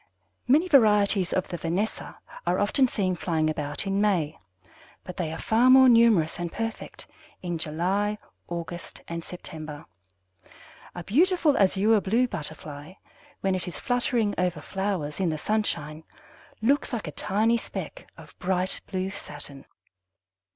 Many varieties of the Vanessa are often seen flying about in May, but they are far more numerous and perfect in July, August, and September. A beautiful Azure blue Butterfly, when it is fluttering over flowers in the sunshine, looks like a tiny speck of bright blue satin.